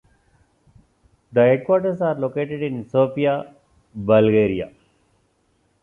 The headquarters are located in Sofia, Bulgaria.